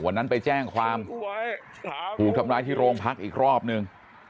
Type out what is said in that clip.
วันนั้นไปแจ้งความถูกทำร้ายที่โรงพักอีกรอบนึง